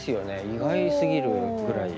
意外すぎるぐらい。